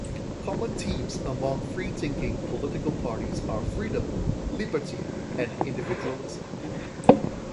Common themes among freethinking political parties are "freedom", "liberty", and "individualism".